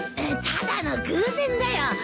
ただの偶然だよ。